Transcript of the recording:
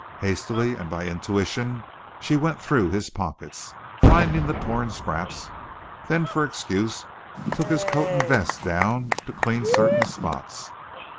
Hastily and by intuition she went through his pockets, finding the torn scraps, then for excuse took his coat and vest down to clean certain spots.